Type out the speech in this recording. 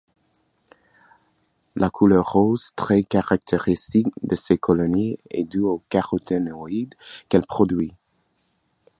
La couleur rose très caractéristique de ses colonies est due aux caroténoïdes qu’elle produit.